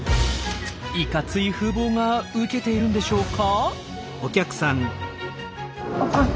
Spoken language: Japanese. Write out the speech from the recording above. いかつい風貌がウケているんでしょうか？